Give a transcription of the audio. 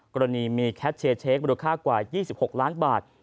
กรณีมีแคทเชียร์เช็คมูลค่ากว่า๒๖ล้านบาท